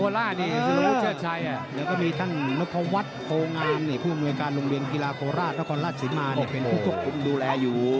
แล้วก็มีท่านนพวัฒน์โพงามผู้อำนวยการโรงเรียนกีฬาโคราชนครราชศรีมาเป็นผู้ควบคุมดูแลอยู่